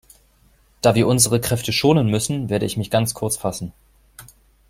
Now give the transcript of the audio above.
Da wir unsere Kräfte schonen müssen, werde ich mich ganz kurz fassen.